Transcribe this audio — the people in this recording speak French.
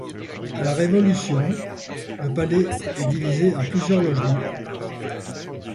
À la Révolution, le palais est divisé en plusieurs logements.